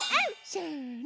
せの。